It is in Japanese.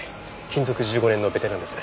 勤続１５年のベテランです。